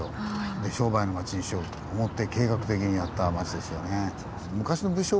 で商売の町にしようと思って計画的にやった町ですよね。